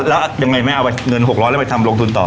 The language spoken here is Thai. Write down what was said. แล้วยังไงแม่เอาเงิน๖๐๐แล้วไปทำลงทุนต่อ